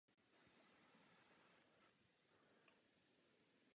Jihozápadně od sedla se nachází menší krasová oblast.